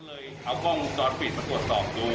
เอากล้องจอดปิดมากดสอบดู